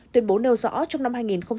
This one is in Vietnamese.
tuyên bố nêu rõ trong năm hai nghìn hai mươi